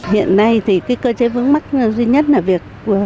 hiện nay cơ chế vướng mắt duy nhất là việc